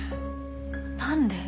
何で？